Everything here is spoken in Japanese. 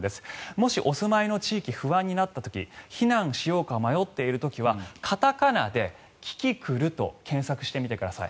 もし、お住まいの地域不安になった時避難しようか迷った時は片仮名で「キキクル」と検索してみてください。